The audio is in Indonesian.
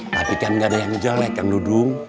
tapi kan gak ada yang jelek kang ludung